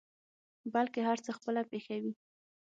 بلکې هر څه خپله پېښوي.